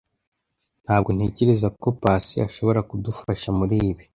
Ntabwo ntekereza ko Pacy ashobora kudufasha muri ibi.